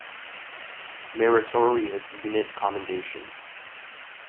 Meritorious Unit Commendation.